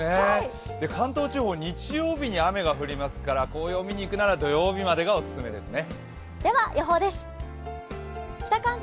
関東地方、日曜日に雨が降りますから紅葉見に行くなら土曜日までがおすすめですね。